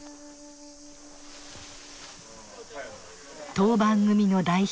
当番組の代表